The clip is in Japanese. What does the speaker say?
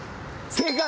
正解！